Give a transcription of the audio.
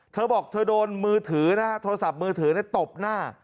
เธอบอกเธอโดนมือถือนะฮะโทรศัพท์มือถือตบหน้า